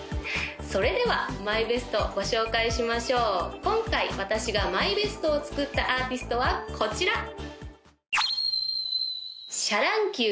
それではＭＹＢＥＳＴご紹介しましょう今回私がＭＹＢＥＳＴを作ったアーティストはこちら！